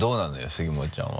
杉本ちゃんは。